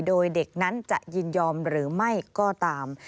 โดยเด็กนั้นจะยินยอมหรือไม่ก็ตาม